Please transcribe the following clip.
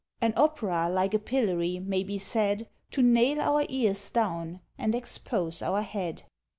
An opera, like a PILLORY, may be said To NAIL OUR EARS down, and EXPOSE OUR HEAD.